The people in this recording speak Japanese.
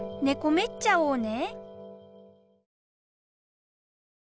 めっちゃおうね！